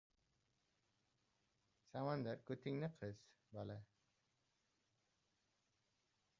"Fazoviy ma’lumotlar to‘g‘risida"gi qonun imzolandi